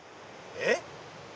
えっ？